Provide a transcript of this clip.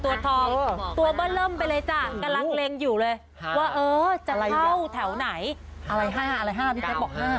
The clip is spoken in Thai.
อะไร๕พี่แทบบ๕